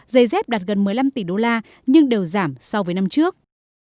giày dép đạt gần một mươi năm tỷ đô la nhưng đều giảm so với năm trước